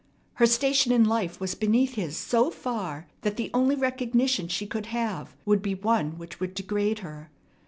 Her station in life was beneath his so far that the only recognition she could have would be one which would degrade her.